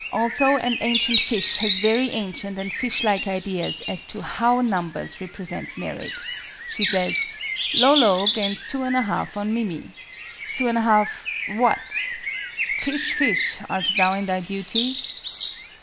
Also AN ANCIENT FISH has very ancient and fishlike ideas as to how numbers represent merit: she says "Lolo gains 2 1/2 on Mimi." Two and a half what? Fish, fish, art thou in thy duty?